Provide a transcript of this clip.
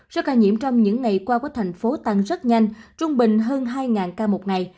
số ca nhiễm trong những ngày qua của thành phố tăng rất nhanh trung bình hơn hai ca một ngày